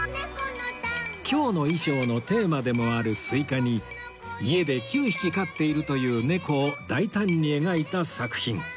今日の衣装のテーマでもあるスイカに家で９匹飼っているという猫を大胆に描いた作品